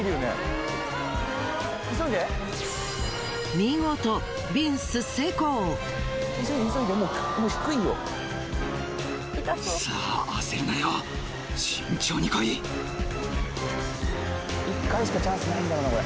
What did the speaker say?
見事１回しかチャンスないんだろうなこれ。